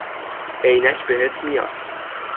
عینک بهت میاد